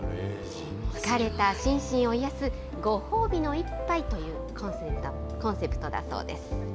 疲れた心身を癒やすご褒美の一杯というコンセプトだそうです。